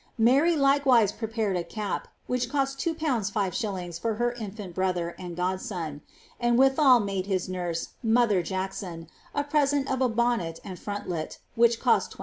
Mary likewise prepared a cap, which cost 2/. 59. for her infant brother and godson; and withal made his nurse, mother Jackson, a present of a ixMinet and frontlet, which cost 20*.